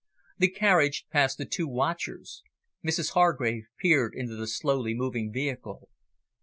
The carriage passed the two watchers. Mrs Hargrave peered into the slowly moving vehicle.